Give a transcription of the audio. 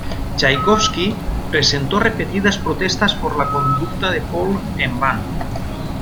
Chaikovski presentó repetidas protestas por la conducta de Poole, en vano.